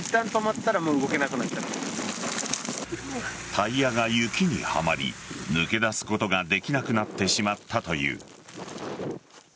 タイヤが雪にはまり抜け出すことができなくなってしまったという。